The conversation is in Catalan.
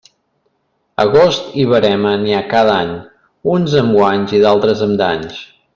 Agost i verema n'hi ha cada any, uns amb guanys i d'altres amb danys.